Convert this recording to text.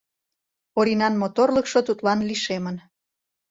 Оринан моторлыкшо тудлан лишемын.